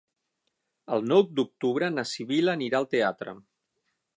El nou d'octubre na Sibil·la anirà al teatre.